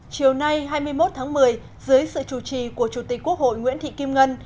chiều nay hai mươi một tháng một mươi dưới sự chủ trì của chủ tịch quốc hội nguyễn thị kim ngân